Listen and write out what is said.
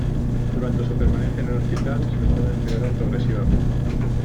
Durante su permanencia en el hospital su estado empeoró progresivamente.